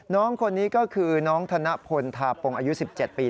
น้องคนนี้ก็คือน้องธนพลทาปงอายุ๑๗ปี